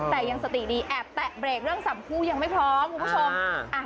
แต่ยังสติดีแอบแตะเบรกเรื่องสำคู่ยังไม่พร้อมคุณผู้ชม